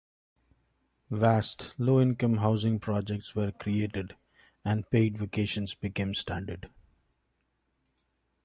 Vast low-income housing projects were created, and paid vacations became standard.